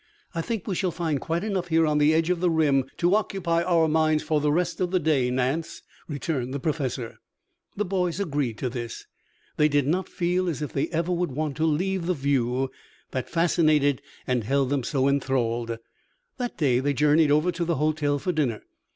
"I think we shall find quite enough here on the edge of the rim to occupy our minds for the rest of the day, Nance," returned the Professor. The boys agreed to this. They did not feel as if they ever would want to leave the view that fascinated and held them so enthralled. That day they journeyed over to the hotel for dinner.